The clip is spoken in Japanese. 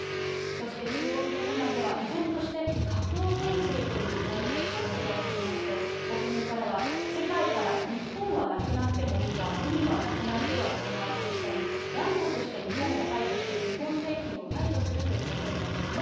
そして、中国国内では、依然として核汚染水という用語で報じられていまして、国民からは世界から日本はなくなってもいいが海はなくなってはいけないでしたり、断固として日本を排除し、日本製品を排除するといった声もあるそうです。